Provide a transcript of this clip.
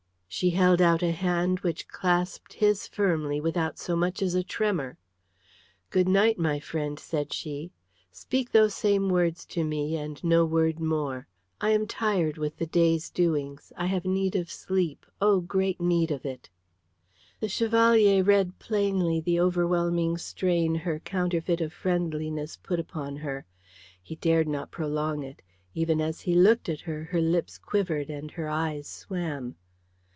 She held out a hand which clasped his firmly without so much as a tremor. "Good night, my friend," said she. "Speak those same words to me, and no word more. I am tired with the day's doings. I have need of sleep, oh, great need of it!" The Chevalier read plainly the overwhelming strain her counterfeit of friendliness put upon her. He dared not prolong it. Even as he looked at her, her lips quivered and her eyes swam.